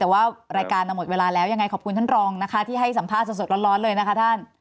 แต่ว่ารายการหมดเวลาแล้วยังไงขอบคุณท่านรองนะคะที่ให้สัมภาษณ์สดร้อนเลยนะคะท่าน